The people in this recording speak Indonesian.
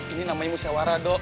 ini namanya musawarah dok